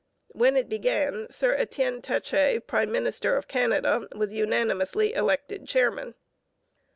When it began, Sir Etienne Taché, prime minister of Canada, was unanimously elected chairman.